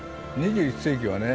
２１世紀はね